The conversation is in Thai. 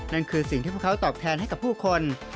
นั่นคือสิ่งที่พวกเขาตอบแทนให้กับผู้คน